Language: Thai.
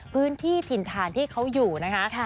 พื้นที่ถิ่นฐานที่เขาอยู่นะคะ